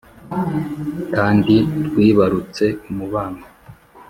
kandi rwibarutse umubano